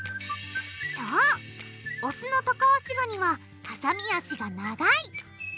そうオスのタカアシガニははさみ脚が長い！